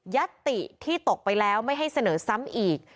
ติที่ตกไปแล้วไม่ให้เสนอซ้ำอีก